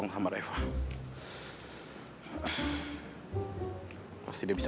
nggak ada siapa siapa lagi disitu